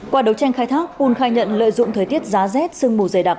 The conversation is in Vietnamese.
qua đấu tranh khai thác pun khai nhận lợi dụng thời tiết giá rét sương mù dày đặc